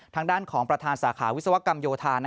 ทางด้านของประธานสาขาวิศวกรรมโยธา